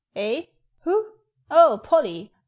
" "Eh? Who? Oh, Polly!